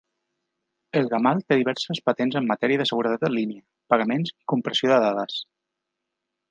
Elgamal té diverses patents en matèria de seguretat en línia, pagaments i compressió de dades.